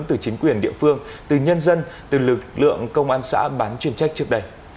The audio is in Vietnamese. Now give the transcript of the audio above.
từ chính quyền địa phương từ nhân dân từ lực lượng công an xã bán chuyên trách trước đây